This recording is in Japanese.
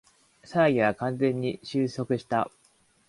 騒ぎは完全に収束した